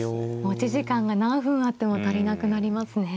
持ち時間が何分あっても足りなくなりますね。